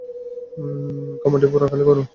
কামাঠিপুরা খালি করো!